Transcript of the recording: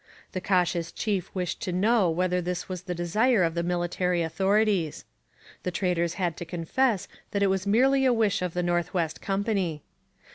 The cautious chief wished to know whether this was the desire of the military authorities. The traders had to confess that it was merely a wish of the North West Company.